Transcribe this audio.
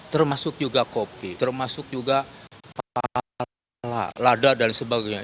termasuk juga kopi termasuk juga pala lada dan sebagainya